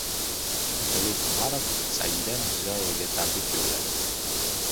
Otabek Umarov Saida Mirziyoyevaga tabrik yo‘lladi